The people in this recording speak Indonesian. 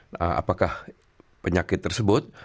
nah apakah penyakit tersebut